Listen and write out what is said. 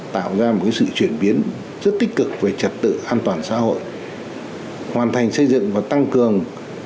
tạo ra một sự chuyển biến rất tích cực về trật tự an toàn xã hội hoàn thành xây dựng và tăng cường